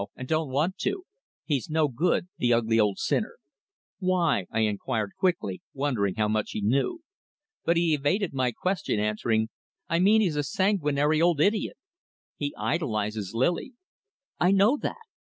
And don't want to. He's no good the ugly old sinner." "Why?" I inquired quickly, wondering how much he knew. But he evaded my question, answering "I mean he's a sanguinary old idiot." "He idolises Lily." "I know that."